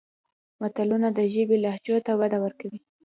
متلونه د ژبې لهجو ته وده ورکوي